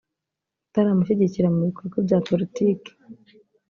utaramushyigikiraga mu bikorwa bya politiki